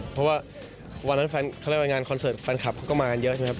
เพราะว่าวันนั้นนานงานคอนเสิร์ตฟันคลับเขาก็มาเยอะใช่ไหมครับ